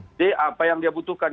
jadi apa yang dia butuhkan